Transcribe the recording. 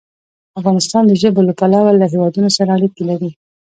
افغانستان د ژبو له پلوه له هېوادونو سره اړیکې لري.